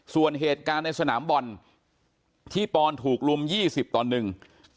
ส่วนเหตุการณ์ในสนามบอลที่ปอนถูกลุมยี่สิบต่อหนึ่ง